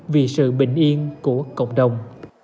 vì sự bình yên của cộng đồng